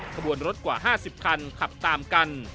ขบวนรถกว่า๕๐คันขับตามกัน